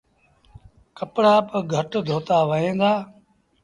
ڪپڙآ با گھٽ دوتآ وهيݩ دآ۔